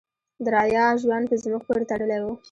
د رعایا ژوند په ځمکو پورې تړلی و.